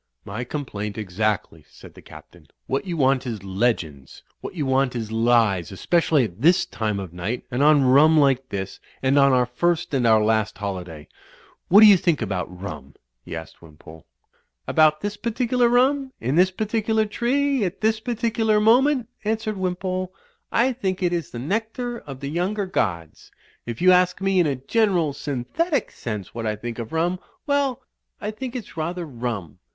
"My complaint, exactly," said the Captain. "What you want is legends. What you want is lies, especially at this time of night, and on rum like this, and on our first and our last holiday. What do you think about rum ?" he asked Wimpole. "About this particular rum, in this particular tree, at this particular moment," answered Wimpole, "I think it Is the nectar of the younger gods. If you ask me in a general, synthetic sense what I think of rum — well, I think it's rather rum."